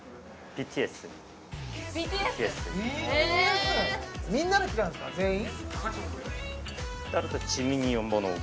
ＢＴＳみんなで来たんですか全員？